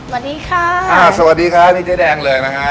วันนี้ค่ะขอบคุณครับสวัสดีครับนี่เจ๊แดงเลยนะฮะ